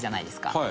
はい。